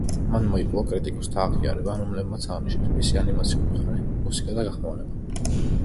მან მოიპოვა კრიტიკოსთა აღიარება, რომლებმაც აღნიშნეს მისი ანიმაციური მხარე, მუსიკა და გახმოვანება.